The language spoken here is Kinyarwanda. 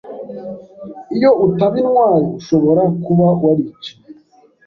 Iyo utaba intwari, ushobora kuba wariciwe.